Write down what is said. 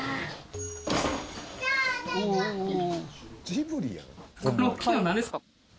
ジブリやん。